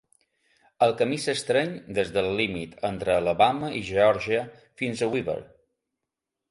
El camí s'estreny des del límit entre Alabama i Georgia fins a Weaver.